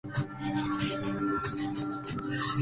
El duende comienza el breakdance en el escenario.